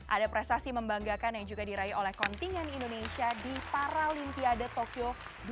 ada prestasi membanggakan yang juga diraih oleh kontingen indonesia di paralimpiade tokyo dua ribu dua puluh